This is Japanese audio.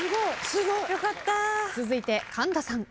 続いて神田さん。